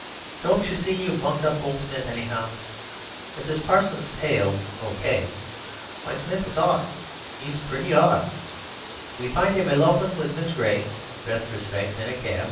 "Don't you see you've bunged up old Smith anyhow. If this parson's tale's O.K.—why, Smith is 'ot. 'E's pretty 'ot. We find him elopin' with Miss Gray (best respects!) in a cab.